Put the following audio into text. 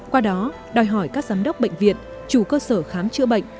qua đó đòi hỏi các giám đốc bệnh viện chủ cơ sở khám chữa bệnh